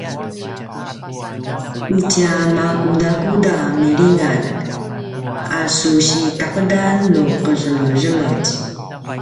itja makudakuda milingan a su sitaqedan nu qezemezemetj?